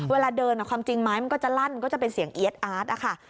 เวลาเดินความจริงไม้มันก็จะลั่นก็จะเป็นเสียงเอี๊ยดอาร์ตนะคะ